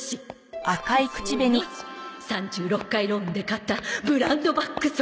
３６回ローンで買ったブランドバッグ装備！